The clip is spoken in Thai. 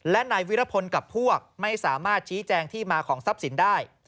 และนายวิรพลกับพวกไม่สามารถชี้แจงที่มาของทรัพย์สินได้